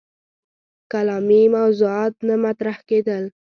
کلامي موضوعات نه مطرح کېدل.